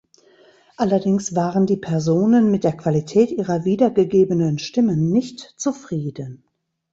Allerdings waren die Personen mit der Qualität ihrer wiedergegebenen Stimmen nicht zufrieden.